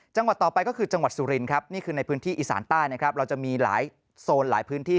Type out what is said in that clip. จังหวัดต่อไปก็คือจังหวัดสุรินครับนี่คือในพื้นที่อีสานใต้นะครับเราจะมีหลายโซนหลายพื้นที่